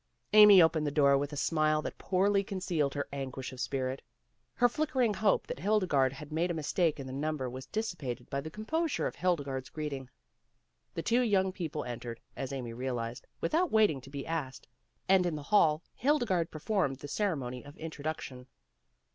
Amy opened the door with a smile that poorly concealed her anguish of spirit. Her flickering hope that Hildegarde had made a mistake in the number was dissipated by the composure of Hildegarde 's greeting. The two young people entered, as Amy realized, without waiting to be asked, and in the hall Hildegarde performed the ceremony of introduction.